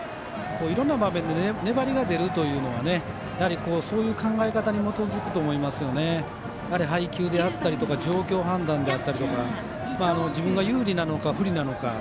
いろんな場面で粘りが出るというのはそういう考え方に基づくと思いますので配球であったりとか状況判断であったりとか自分が有利なのか不利なのか。